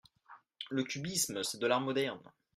Le cubisme c’est de l’art moderne.